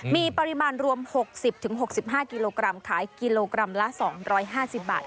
มีปริมาณรวม๖๐๖๕กิโลกรัมขายกิโลกรัมละ๒๕๐บาท